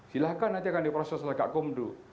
silahkan nanti akan diproses oleh kak kumdu